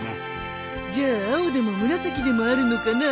じゃあ青でも紫でもあるのかな？